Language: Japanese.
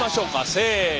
せの。